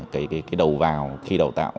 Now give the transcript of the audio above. cái đầu vào khi đào tạo